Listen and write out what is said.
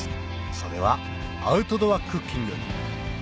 それはアウトドアクッキング